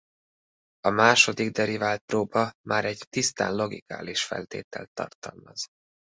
A másodikderivált-próba már egy tisztán lokális feltételt tartalmaz.